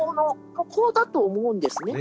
ここだと思うんですね。